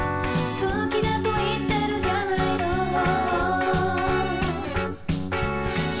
「好きだと言ってるじゃないのＨＯＨＯ」